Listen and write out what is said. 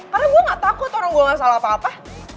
karena gue gak takut orang gue ngerjain salah apa apa